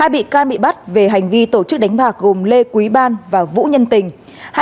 hai bị can bị bắt về hành vi tổ chức đánh bạc gồm lê quý ban và vũ nhân tình